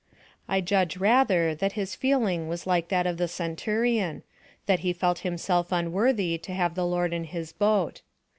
I judge rather that his feeling was like that of the centurion that he felt himself unworthy to have the Lord in his boat.